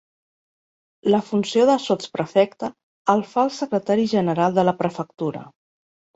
La funció de sotsprefecte el fa el secretari general de la prefectura.